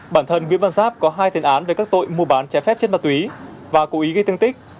bản thân nguyễn văn giáp có hai tên án về các tội mua bán trái phép trên bà tùy và cố ý gây tương tích